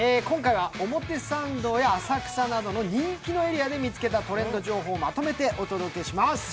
今回は表参道や浅草などの人気のエリアで見つけたトレンド情報をまとめてお届けします。